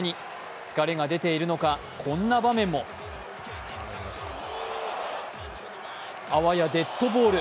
疲れが出ているのか、こんな場面もあわやデッドボール。